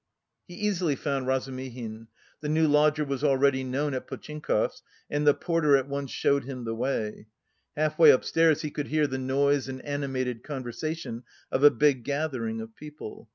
He easily found Razumihin; the new lodger was already known at Potchinkov's and the porter at once showed him the way. Half way upstairs he could hear the noise and animated conversation of a big gathering of people.